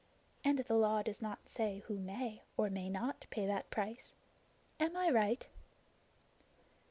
And the Law does not say who may or may not pay that price. Am I right?"